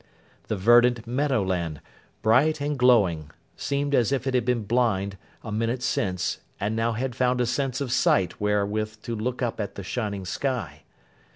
The verdant meadow land, bright and glowing, seemed as if it had been blind, a minute since, and now had found a sense of sight wherewith to look up at the shining sky.